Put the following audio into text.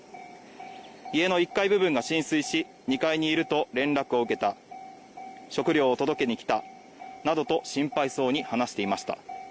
家の１階部分が浸水し２階にいると連絡を受けた、食料を届けに来たなどと心配そうに話していました。